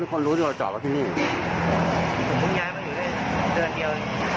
แสดงก็คนรู้จะจอดมาพี่นี้ผมย้ายมาอยู่ด้วยเดือนเดียว